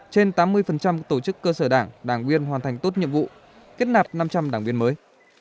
trên tám mươi tổ chức cơ sở đảng đảng viên hoàn thành tốt nhiệm vụ kết nạp năm trăm linh đảng viên mới